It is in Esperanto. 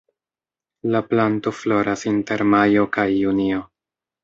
La planto floras inter majo kaj junio.